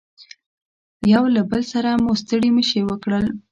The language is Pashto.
یو له بل سره مو ستړي مشي وکړل.